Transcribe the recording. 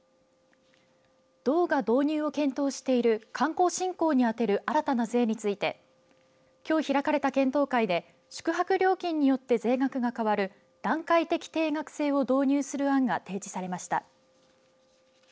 道が導入を検討している観光振興に充てる新たな税についてきょう開かれた検討会で宿泊料金によって税額が変わる段階的定額制を導入する案が提示されました。